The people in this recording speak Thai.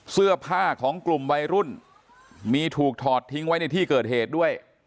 เสื้อผ้าของกลุ่มวัยรุ่นมีถูกถอดทิ้งไว้ในที่เกิดเหตุด้วย